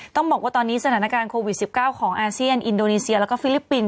ต้องบอกว่าตอนนี้สถานการณ์โควิด๑๙ของอาเซียนอินโดนีเซียแล้วก็ฟิลิปปินส